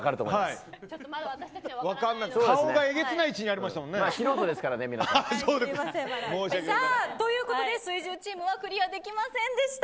顔がえげつない位置にということで水１０チームはクリアできませんでした。